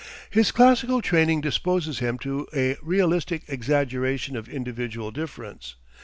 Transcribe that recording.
His classical training disposes him to a realistic exaggeration of individual difference.